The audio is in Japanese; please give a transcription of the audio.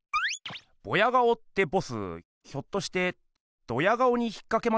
ボヤ顔ってボスひょっとしてドヤ顔に引っかけました？